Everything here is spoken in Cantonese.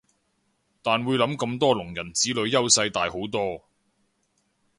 但會諗咁多聾人子女優勢大好多